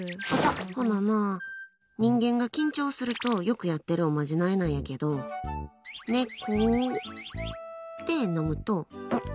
ほなな、人間が緊張するとよくやってるおまじないなんやけど猫で飲むと。